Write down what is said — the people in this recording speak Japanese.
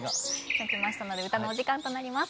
鳴きましたので歌のお時間となります。